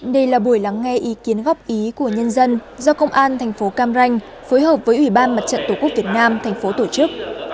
đây là buổi lắng nghe ý kiến góp ý của nhân dân do công an tp cam ranh phối hợp với ủy ban mặt trận tổ quốc việt nam tp tổ chức